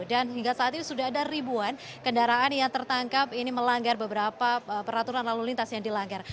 dan hingga saat ini sudah ada ribuan kendaraan yang tertangkap ini melanggar beberapa peraturan lalu lintas yang dilanggar